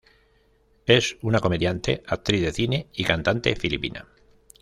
Es una comediante, actriz de cine y cantante filipina.